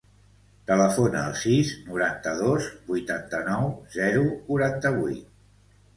Telefona al sis, noranta-dos, vuitanta-nou, zero, quaranta-vuit.